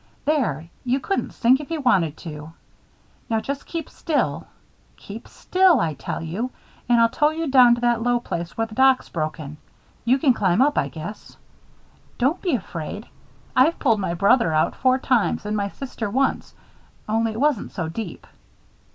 There! you couldn't sink if you wanted to. Now just keep still keep still; I tell you, and I'll tow you down to that low place where the dock's broken. You can climb up, I guess. Don't be afraid. I've pulled my brother out four times and my sister once only it wasn't so deep.